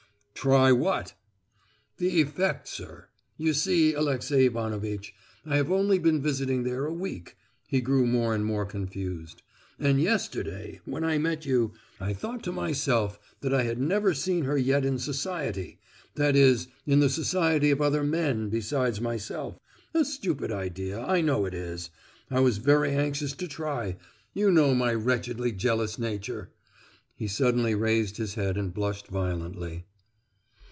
"Try what?" "The effect, sir. You see, Alexey Ivanovitch, I have only been visiting there a week" (he grew more and more confused), "and yesterday, when I met you, I thought to myself that I had never seen her yet in society; that is, in the society of other men besides myself—a stupid idea, I know it is—I was very anxious to try—you know my wretchedly jealous nature." He suddenly raised his head and blushed violently.